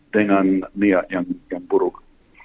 dengan niat yang buruk